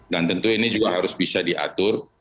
dan tentu ini juga harus bisa diatur